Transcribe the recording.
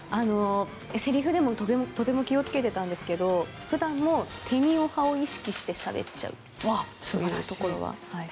せりふでもとても気を付けていたんですけど普段も、てにをはを意識してしゃべっちゃうというところは。